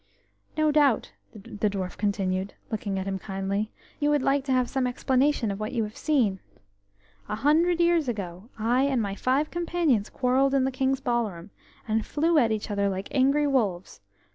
O doubt," the dwarf continued, looking at him kindly, "you would like to have some explanation of what you have seen.... A hundred years ago, I and my five companions quarrelled in the King's ballroom, and flew at each other like angry wolves.